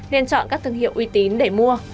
nên chọn các thương hiệu uy tín để mua